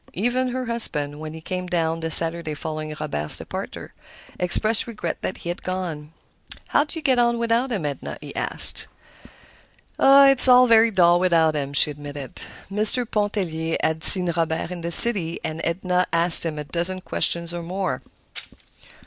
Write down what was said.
Even her husband, when he came down the Saturday following Robert's departure, expressed regret that he had gone. "How do you get on without him, Edna?" he asked. "It's very dull without him," she admitted. Mr. Pontellier had seen Robert in the city, and Edna asked him a dozen questions or more.